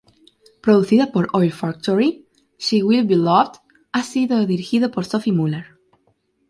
Producida por Oil Factory, "She Will Be Loved" ha sido dirigido por Sophie Muller.